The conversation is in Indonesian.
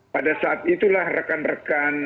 pada saat itulah rekan rekan